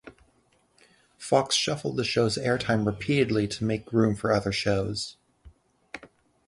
Fox shuffled the show's air time repeatedly to make room for other shows.